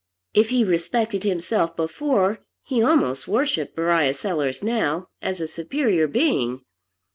If he respected himself before, he almost worshipped Beriah Sellers now, as a superior being.